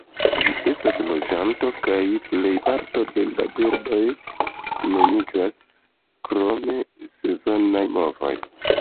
Ĝi estas loĝanto, kaj plej parto de la birdoj ne migras, krom sezonaj movoj.